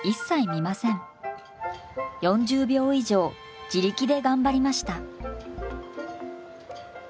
４０秒以上自力で頑張りました。